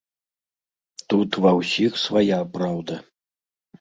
Тут ва ўсіх свая праўда.